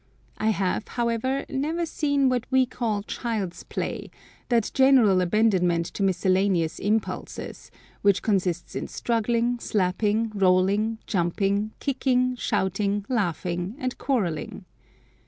I have, however, never seen what we call child's play—that general abandonment to miscellaneous impulses, which consists in struggling, slapping, rolling, jumping, kicking, shouting, laughing, and quarrelling!